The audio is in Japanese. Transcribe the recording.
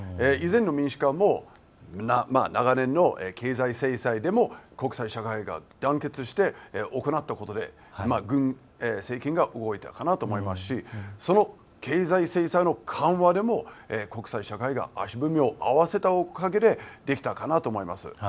以前の民主化も長年の経済制裁でも国際社会が団結して行ったことで政権が動いたかなと思いますしその経済制裁の緩和でも国際社会が足踏みを合わせたおかげでできたかなと思います。